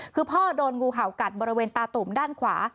คือพ่อโดนงูเห่ากัดบริเวณตาตุ่มด้านขวา